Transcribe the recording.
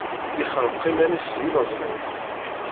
Yexneq iman-is s yileẓwi.